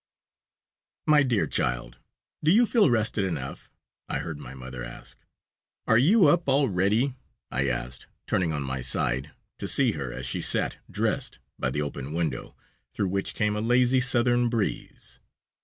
"My dear child, do you feel rested enough?" I heard my mother ask. "Are you up already?" I asked, turning on my side, to see her as she sat, dressed, by the open window, through which came a lazy, southern breeze.